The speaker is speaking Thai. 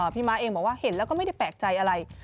พี่ม้าเองก็เห็นแล้วก็ไม่ได้แปลกใจอะไร